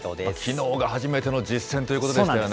きのうが初めての実戦ということでしたよね。